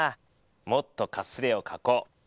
もっとかすれをかこう。